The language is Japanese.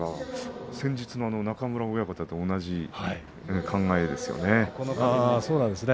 先日の中村親方と同じ考えですね。